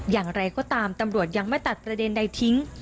อย่างไรก็ตามตำรวจยังไม่ตัดประเด็นใดทิ้ง